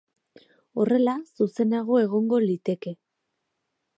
Horrela zuzenago egongo liteke.